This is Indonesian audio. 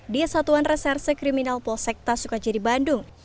di satuan reserse kriminal polsekta sukajadi bandung